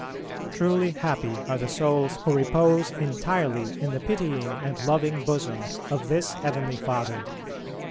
Truly happy are the souls who repose entirely in the pitying and loving bosom of this heavenly Father.